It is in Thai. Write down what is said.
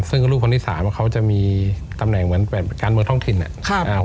ซึ่งลูกคนที่สามว่าเขาจะมีตำแหน่งเหมือนการเมืองท้องถิ่น